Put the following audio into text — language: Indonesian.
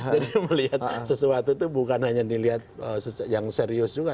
jadi melihat sesuatu itu bukan hanya dilihat yang serius juga